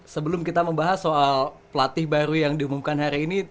sebelum kita membahas soal pelatih baru yang diumumkan hari ini